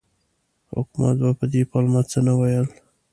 حکومت به په دې پلمه څه نه ویل.